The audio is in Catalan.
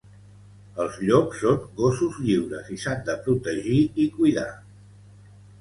Els llops són gossos lliures i s'han de protegir i cuidar